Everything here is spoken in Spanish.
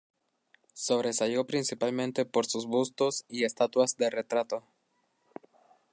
Sobresalió principalmente por sus bustos y estatuas de retrato.